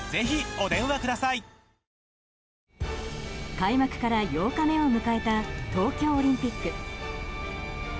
開幕から８日目を迎えた東京オリンピック。